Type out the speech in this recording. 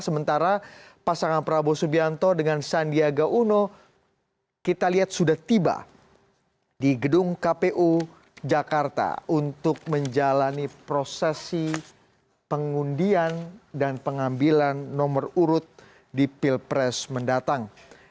sementara pasangan prabowo subianto dengan sandiaga uno kita lihat sudah tiba di gedung kpu jakarta untuk menjalani prosesi pengundian dan pengambilan nomor urut di pilpres mendatang